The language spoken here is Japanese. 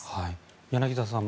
柳澤さん